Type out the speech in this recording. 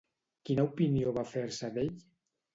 Quina opinió va fer-se d'ell?